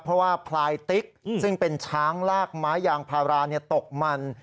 เพราะว่าพลายติ๊กซึ่งเป็นช้างลากไม้ยางพาราตกมัน